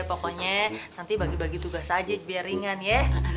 pokoknya nanti bagi bagi tugas aja biar ringan ya